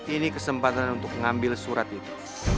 ini kesempatan untuk mengambil surat itu